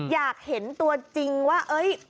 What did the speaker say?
อยากเห็นตัวจริงว่า